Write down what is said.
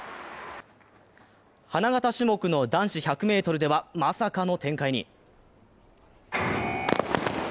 花形種目の男子１００ｍでは、まさかの展開に。